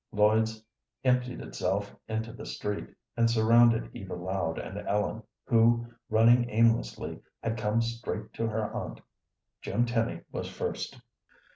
Lloyd's emptied itself into the street, and surrounded Eva Loud and Ellen, who, running aimlessly, had come straight to her aunt. Jim Tenny was first.